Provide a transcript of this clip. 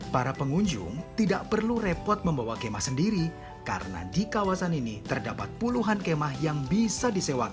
para pengunjung tidak perlu repot membawa kemah sendiri karena di kawasan ini terdapat puluhan kemah yang bisa disewakan